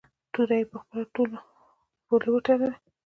توره یې په خپلو تلو پورې و تړله.